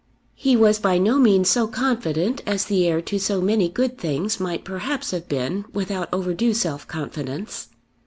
He was by no means so confident as the heir to so many good things might perhaps have been without overdue self confidence.